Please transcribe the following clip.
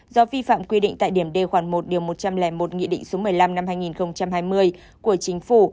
do vi phạm quy định tại điểm d khoản một điều một trăm linh một nghị định số một mươi năm năm hai nghìn hai mươi của chính phủ